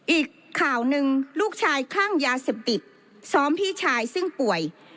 อีกข่าวหนึ่งลูกชายคลั่งยาเสพติดซ้อมพี่ชายซึ่งป่วย